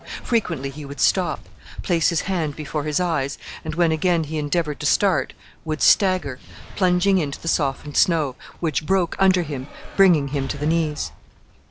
Frequently he would stop, place his hand before his eyes, and when again he endeavoured to start would stagger, plunging into the softened snow, which broke under him, bringing him to the knees.